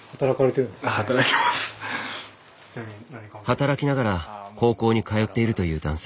働きながら高校に通っているという男性。